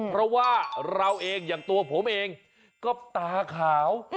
เพราะว่าเราเองอย่างตัวผมเองก็ตาขาว